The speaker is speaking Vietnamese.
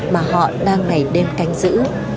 mà họ đang ngày đêm canh giữ